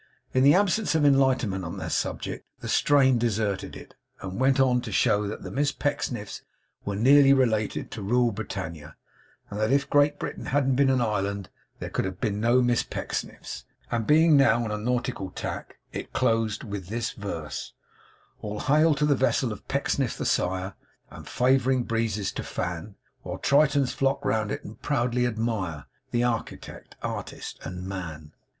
In the absence of enlightenment on that subject, the strain deserted it, and went on to show that the Miss Pecksniffs were nearly related to Rule Britannia, and that if Great Britain hadn't been an island, there could have been no Miss Pecksniffs. And being now on a nautical tack, it closed with this verse: 'All hail to the vessel of Pecksniff the sire! And favouring breezes to fan; While Tritons flock round it, and proudly admire The architect, artist, and man!